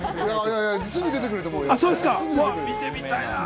すぐ出てくると思うよ。